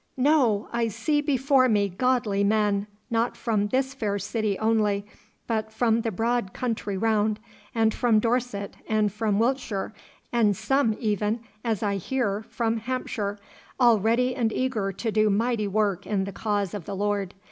No! I see before me godly men, not from this fair city only, but from the broad country round, and from Dorset, and from Wiltshire, and some even as I hear from Hampshire, all ready and eager to do mighty work in the cause of the Lord.